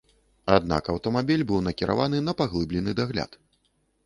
Аднак аўтамабіль быў накіраваны на паглыблены дагляд.